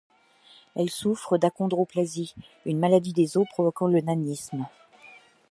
Elle souffre d'achondroplasie, une maladie des os provoquant le nanisme.